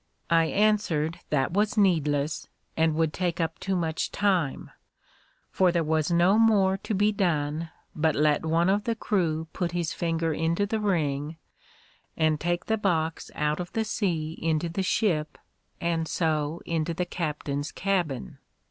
I answered that was needless, and would take up too much time; for there was no more to be done, but let one of the crew put his finger into the ring, and take the box out of the sea into the ship, and so into the captain's cabin.